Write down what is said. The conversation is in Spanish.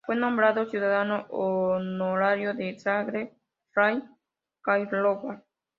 Fue nombrado ciudadano honorario de Zagreb, Varaždin y Karlovac.